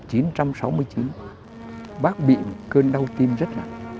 chín giờ ngày hai tháng chín năm một nghìn chín trăm sáu mươi chín bác bị cơn đau tim rất là